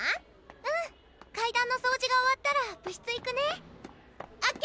うん階段の掃除が終わったら部室行くねＯＫ！